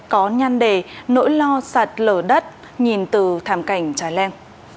có nhan đề nỗi lo sạt lở đất nhìn từ thảm cảnh trái lên